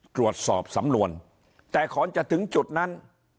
ตรวจสอบสำนวนแต่ก่อนจะถึงจุดนั้น